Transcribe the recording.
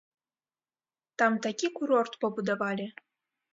Там такі курорт пабудавалі!